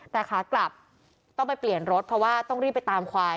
แต่ขากลับต้องไปเปลี่ยนรถเพราะว่าต้องรีบไปตามควาย